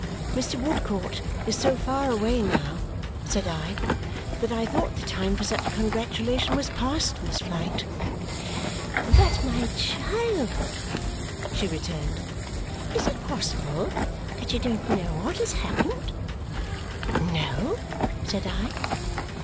"Mr. Woodcourt is so far away, now," said I, "that I thought the time for such congratulation was past, Miss Flite." "But, my child," she returned, "is it possible that you don't know what has happened?" "No," said I.